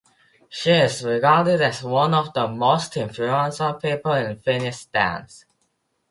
She is regarded as one of the most influential people in Finnish dance.